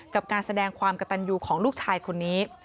กับการแสดงความกระตันยูของลูกชายคนนี้